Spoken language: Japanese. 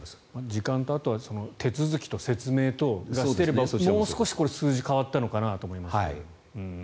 時間とあとは手続きと説明をしていればもう少し数字が変わったのかなと思いますけど。